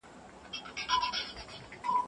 دورکهايم له ارقامو څخه ګټه واخيسته.